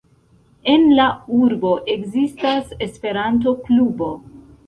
En la urbo ekzistas Esperanto-klubo.